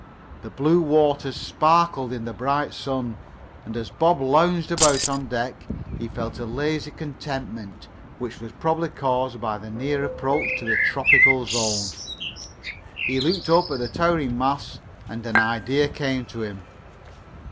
The blue waters sparkled in the bright sun, and as Bob lounged about on deck he felt a lazy contentment which was probably caused by the near approach to the tropical zone. He looked up at the towering masts, and an idea came to him.